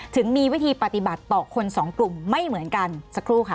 ถึงมีวิธีปฏิบัติต่อคนสองกลุ่มไม่เหมือนกันสักครู่ค่ะ